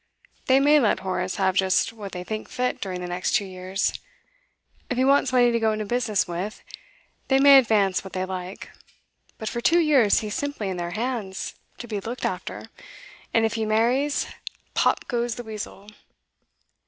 They may let Horace have just what they think fit during the next two years. If he wants money to go into business with, they may advance what they like. But for two years he's simply in their hands, to be looked after. And if he marries pop goes the weasel!